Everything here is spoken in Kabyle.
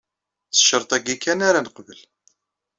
S ccerṭ-a kan ara neqbbel.